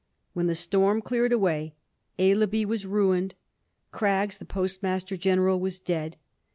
When the storm cleared away Aislabie was ruined ; Craggs, the Postmaster General, was dead